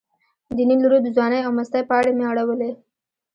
د نیل رود د ځوانۍ او مستۍ پاڼې مې اړولې.